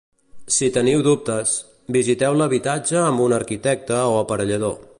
Si teniu dubtes, visiteu l'habitatge amb un arquitecte o aparellador.